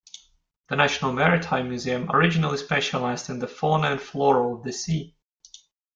The National Maritime Museum originally specialised in the fauna and flora of the sea.